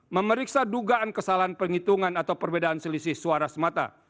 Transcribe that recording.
memeriksa dugaan kesalahan penghitungan atau perbedaan selisih suara semata